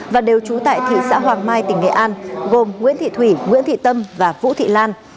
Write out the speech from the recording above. và đều trú tại thị xã hoàng mai tỉnh nghệ an gồm nguyễn thị thủy nguyễn thị tâm và vũ thị lan